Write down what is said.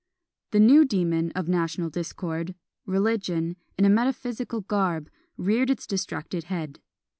A new demon of national discord, Religion, in a metaphysical garb, reared its distracted head.